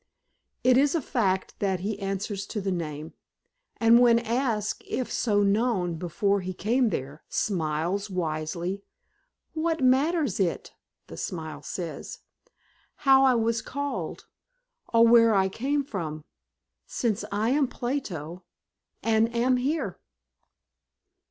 It is a fact that he answers to the name, and when asked if so known before he came there, smiles wisely. "What matters it," the smile says, "how I was called, or where I came from, since I am Plato, and am here?"